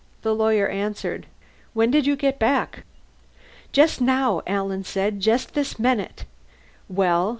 The lawyer answered. "When did you get back?" "Just now," Alan said. "Just this minute." "Well?